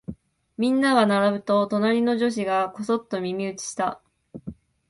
みんなが並ぶと、隣の女子がこそっと耳打ちした。